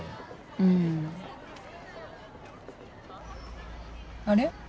うん。あれ？